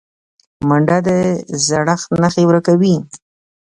منډه د زړښت نښې ورو کوي